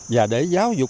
và để giáo dục